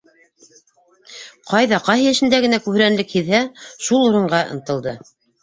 Ҡайҙа, ҡайһы эшендә генә һүрәнлек һиҙһә, шул урынға ынтылды.